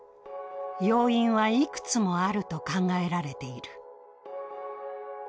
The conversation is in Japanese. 要因はいくつもあると考えられている。